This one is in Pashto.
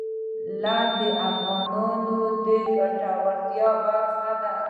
لعل د افغانانو د ګټورتیا برخه ده.